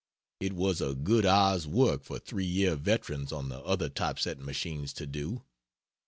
It was a good hour's work for 3 year veterans on the other type setting machines to do.